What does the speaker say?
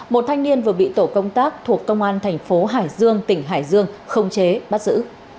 một thanh niên vừa bị tổ công tác thuộc công an thành phố hải dương tỉnh hải dương không chế bắt giữ